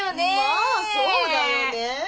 まあそうだよね。